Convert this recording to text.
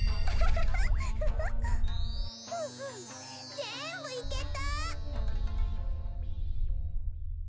ぜんぶいけた！